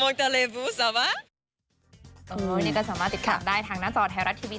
มองชูกมองตะเลวู